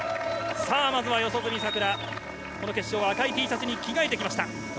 さあ、まずは四十住さくら、この決勝は、赤いＴシャツに着替えてきました。